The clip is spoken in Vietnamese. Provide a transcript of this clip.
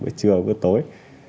bữa trưa bữa tối